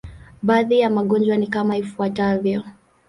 Baadhi ya magonjwa ni kama ifuatavyo.